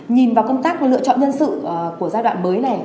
nhìn vào công tác lựa chọn nhân sự của giai đoạn mới này